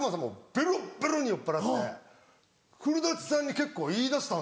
ベロッベロに酔っぱらってて古さんに結構言いだしたんですよ。